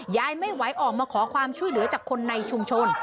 ยายไม่ไหวออกมาขอความช่วยเหลือจากคนในชุมชน